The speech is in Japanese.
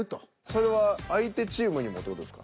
それは相手チームにもって事ですか？